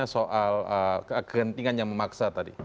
soal kegentingan yang memaksa tadi